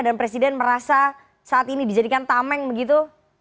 dan presiden merasa saat ini dijadikan tameng begitu